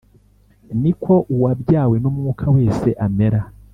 . Ni ko uwabyawe n’Umwuka wese amera.”